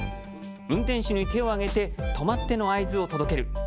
運転手に手を上げて止まっての合図を届ける。